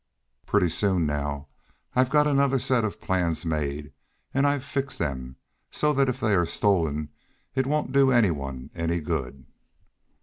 "Pretty soon, now. I've got another set of plans made, and I've fixed them so that if they are stolen it won't do any one any good."